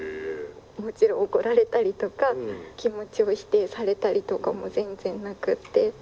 もちろん怒られたりとか気持ちを否定されたりとかも全然なくって。